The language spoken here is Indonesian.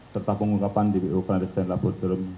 serta pengungkapan di bio klandestan laboratorium